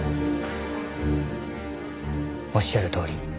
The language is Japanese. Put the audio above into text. おっしゃるとおり。